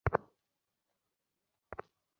তিনি দারুল উলুম দেওবন্দে চলে যান।